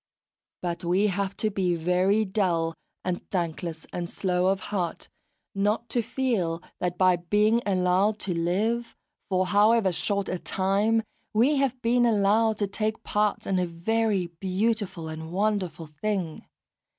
But we have to be very dull and thankless and slow of heart not to feel that by being allowed to live, for however short a time, we have been allowed to take part in a very beautiful and wonderful thing.